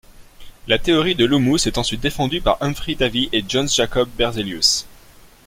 La théorie de l'humus est ensuite défendue par Humphry Davy et Jöns Jacob Berzelius.